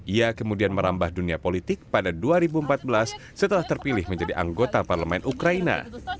ia kemudian merambah dunia politik pada dua ribu empat belas setelah terpilih menjadi anggota parlemen ukraina